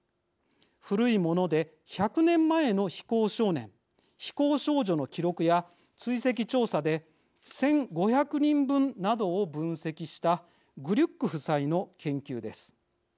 古いもので１００年前の非行少年非行少女の記録や追跡調査で１，５００人分などを分析したグリュック夫妻の研究です。